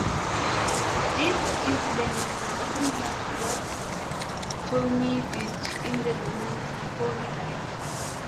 This incident was similar to what Ptolemy did in the moments before he died.